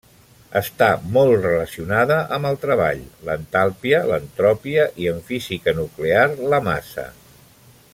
Està molt relacionada amb el treball, l'entalpia, l'entropia i, en física nuclear, la massa.